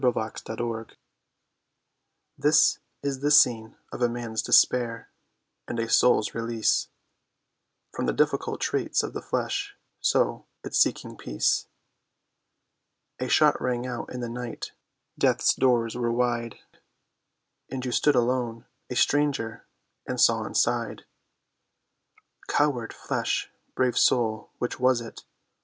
THE SUICIDE'S GRAVE This is the scene of a man's despair, and a soul's release From the difficult traits of the flesh; so, it seeking peace, A shot rang out in the night; death's doors were wide; And you stood alone, a stranger, and saw inside. Coward flesh, brave soul, which was it?